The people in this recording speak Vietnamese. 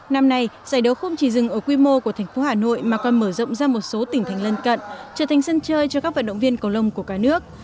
năm nay giải đấu không chỉ dừng ở quy mô của thành phố hà nội mà còn mở rộng ra một số tỉnh thành lân cận trở thành sân chơi cho các vận động viên cầu lông của cả nước